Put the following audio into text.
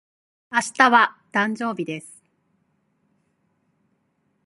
明日は、誕生日です。